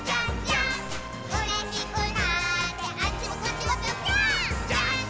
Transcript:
「うれしくなってあっちもこっちもぴょぴょーん」